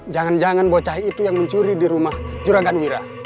jangan jangan bocah itu yang mencuri di rumah juragan wira